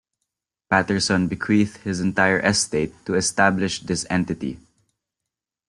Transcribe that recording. Patterson bequeathed his entire estate to establish this entity.